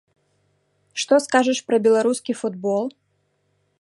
Што скажаш пра беларускі футбол?